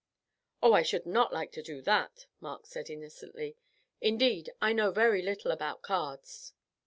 "Oh, I should not like to do that," Mark said innocently; "indeed, I know very little about cards."